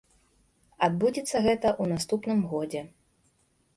Адбудзецца гэта ў наступным годзе.